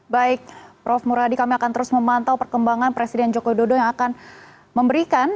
baik prof muradi kami akan terus memantau perkembangan presiden joko widodo yang akan memberikan